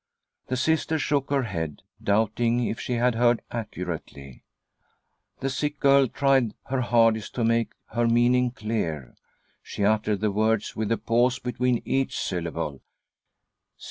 The Sister shook, her head, doubting if she had heard accurately. The sick girl tried her hardest to make her mean ing clear. She uttered the words with a pause between each syllable.